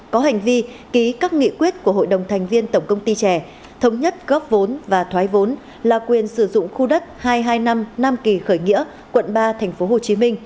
có hành vi ký các nghị quyết của hội đồng thành viên tổng công ty trẻ thống nhất góp vốn và thoái vốn là quyền sử dụng khu đất hai trăm hai mươi năm nam kỳ khởi nghĩa quận ba tp hcm